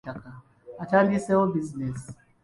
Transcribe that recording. Atandiseewo bizinensi.